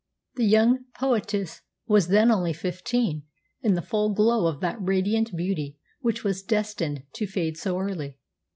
] "The young poetess was then only fifteen; in the full glow of that radiant beauty which was destined to fade so early.